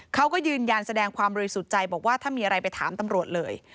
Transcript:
เขาก็ยืนยันแสดงความบริสุทธิ์ใจบอกว่าถ้ามีอะไรไปถามตำรวจเลย